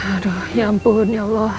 aduh ya ampun ya allah